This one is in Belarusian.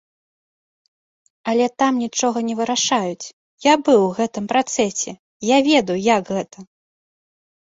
Але там нічога не вырашаюць, я быў у гэтым працэсе, я ведаю, як гэта.